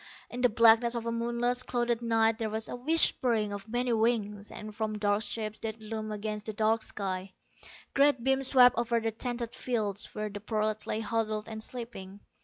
In the blackness of a moonless, clouded night there was a whispering of many wings, and from dark shapes that loomed against the dark sky, great beams swept over the tented fields where the prolats lay huddled and sleeping.